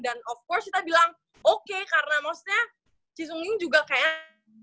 dan tentu saja kita bilang oke karena maksudnya cisungging juga kayak